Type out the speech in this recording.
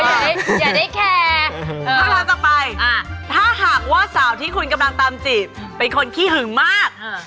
ท่านลาทักไปถ้าหากว่าสาวที่คุณกำลังตามจีบเป็นคนขี้หึงมากเออ